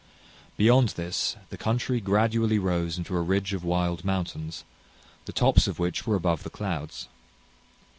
Beyond this, the country gradually rose into a ridge of wild mountains, the tops of which were above the clouds.